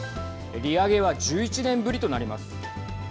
利上げは１１年ぶりとなります。